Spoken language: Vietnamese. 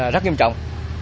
rất nghiêm trọng